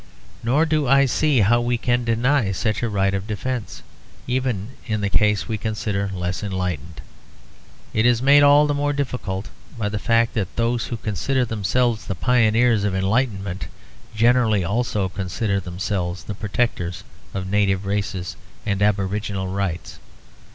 Nor do I see how we can deny such a right of defence, even in the case we consider the less enlightened. It is made all the more difficult by the fact that those who consider themselves the pioneers of enlightenment generally also consider themselves the protectors of native races and aboriginal rights.